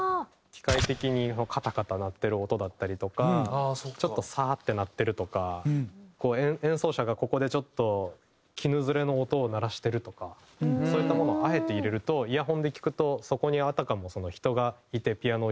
機械的にカタカタ鳴ってる音だったりとかちょっとサーッて鳴ってるとか演奏者がここでちょっと衣擦れの音を鳴らしてるとかそういったものをあえて入れるとイヤフォンで聴くとそこにあたかも人がいてピアノを弾いてるような。